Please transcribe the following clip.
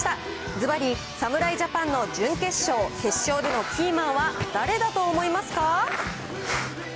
ずばり、侍ジャパンの準決勝、決勝でのキーマンは誰だと思いますか？